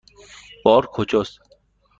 بار کجاست؟